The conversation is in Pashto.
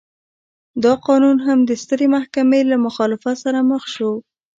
دا قانون هم د سترې محکمې له مخالفت سره مخ شو.